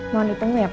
mohon ditunggu ya pak